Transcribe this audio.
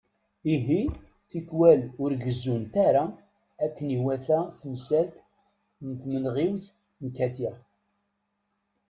Ihi, tikwal ur gezzunt ara akken iwata tamsalt n tmenɣiwt n Katiya.